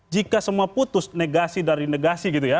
jika semua putus negasi dari negasi gitu ya